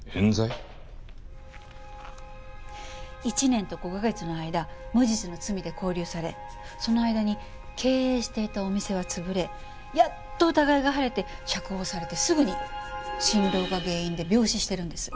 １年と５か月の間無実の罪で拘留されその間に経営していたお店は潰れやっと疑いが晴れて釈放されてすぐに心労が原因で病死してるんです。